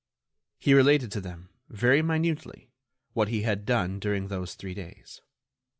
He related to them, very minutely, what he had done during those three days.